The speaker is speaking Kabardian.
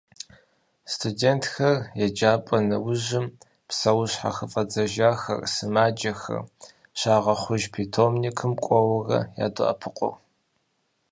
Студентхэр еджапӏэ нэужьым, псэущьхьэ хыфӏадзэжахэр, сымаджэхэр, щагъэхъуж питомникым кӏуэуэрэ ядоӏэпыкъур.